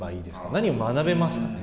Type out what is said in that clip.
何を学べますか。